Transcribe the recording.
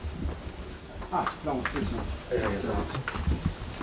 あっどうも失礼します。